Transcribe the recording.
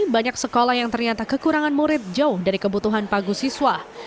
banyak sekolah yang ternyata kekurangan murid jauh dari kebutuhan pagu siswa